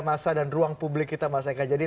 masa dan ruang publik kita masa ini jadi